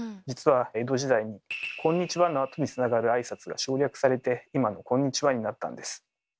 実は江戸時代に「こんにちは」のあとにつながる挨拶が省略されて今の「こんにちは」になったんです。